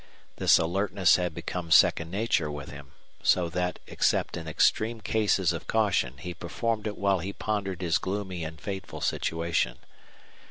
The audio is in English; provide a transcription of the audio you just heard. This alertness had become second nature with him, so that except in extreme cases of caution he performed it while he pondered his gloomy and fateful situation.